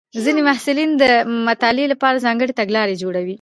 ځینې محصلین د مطالعې لپاره ځانګړې تګلارې جوړوي.